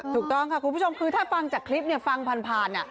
ถูกต้องค่ะคุณผู้ชมคือถ้าฟังจากคลิปฟังผ่าน